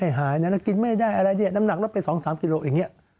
อย่างนี้ได้ไหมคะ